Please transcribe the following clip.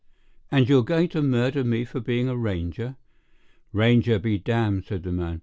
"And you're going to murder me for being a ranger?" "Ranger be damned!" said the man.